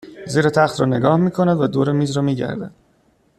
زیر تخت را نگاه میکند و دور میز را میگردد